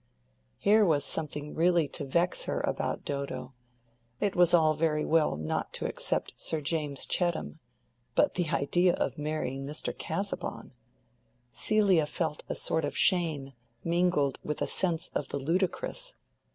Here was something really to vex her about Dodo: it was all very well not to accept Sir James Chettam, but the idea of marrying Mr. Casaubon! Celia felt a sort of shame mingled with a sense of the ludicrous.